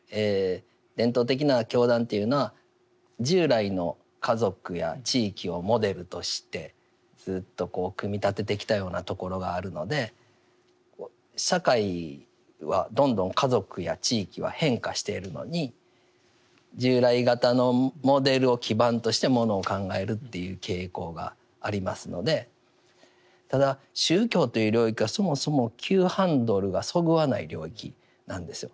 伝統的な教団というのは従来の家族や地域をモデルとしてずっと組み立ててきたようなところがあるので社会はどんどん家族や地域は変化しているのに従来型のモデルを基盤としてものを考えるという傾向がありますのでただ宗教という領域はそもそも急ハンドルがそぐわない領域なんですよ。